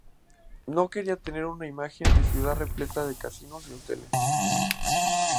No quería tener una imagen de ciudad repleta de casinos y hoteles.